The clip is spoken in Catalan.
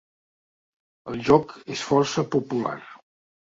El joc és força popular.